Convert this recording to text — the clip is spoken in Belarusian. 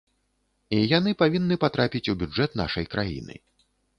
І яны павінны патрапіць у бюджэт нашай краіны.